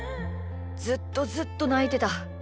ずっとずっとないてた。